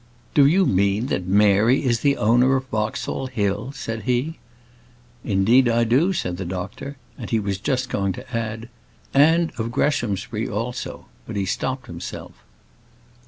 "Do you mean that Mary is the owner of Boxall Hill?" said he. "Indeed, I do," said the doctor; and he was just going to add, "and of Greshamsbury also," but he stopped himself.